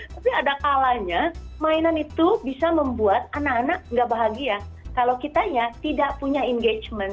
tapi ada kalanya mainan itu bisa membuat anak anak nggak bahagia kalau kitanya tidak punya engagement